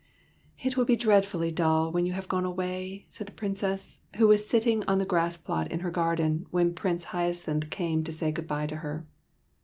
1/ '' It will be dreadfully dull when you have gone away,'' said the Princess, who was sitting on the grass plot in her garden when Prince Hyacinth came to say good bye to her.